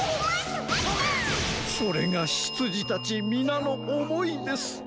それがしつじたちみなのおもいです。